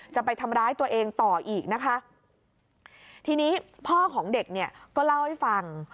จะไปทำร้ายตัวเองต่ออีกนะคะทีนี้พ่อของเด็กเนี่ยก็เล่าให้ฟัง